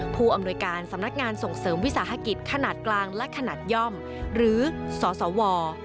ผู้อำนวยการสำนักงานส่งเสริมวิสาหกิจขนาดกลางและขนาดย่อมหรือสสว